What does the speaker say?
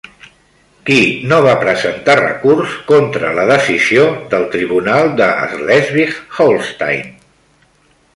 Qui no va presentar recurs contra la decisió del tribunal de Slesvig-Holstein?